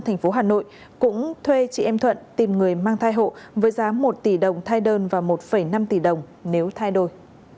thành phố hà nội cũng thuê chị em thuận tìm người mang thai hộ với giá một tỷ đồng thai đơn và một năm tỷ đồng nếu thai đôi